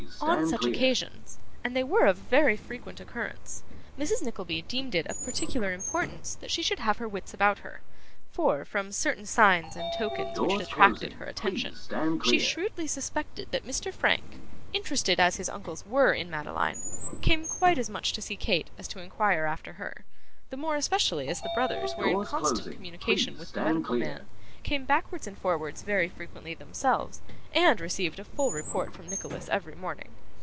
On such occasions (and they were of very frequent occurrence), Mrs. Nickleby deemed it of particular importance that she should have her wits about her; for, from certain signs and tokens which had attracted her attention, she shrewdly suspected that Mr. Frank, interested as his uncles were in Madeline, came quite as much to see Kate as to inquire after her; the more especially as the brothers were in constant communication with the medical man, came backwards and forwards very frequently themselves, and received a full report from Nicholas every morning.